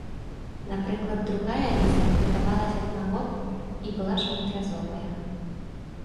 Напрыклад, другая віза выдавалася б на год і была шматразовая.